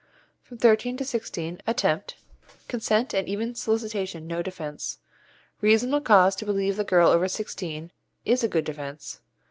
From thirteen to sixteen Attempt Misdemeanour. Consent and even solicitation no defence. Reasonable cause to believe the girl over sixteen is a good defence.